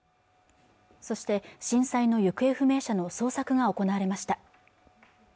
そして震災の行方不明者の捜索が行われました